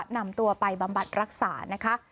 นำตัวไปบำบัดรักษานะคะ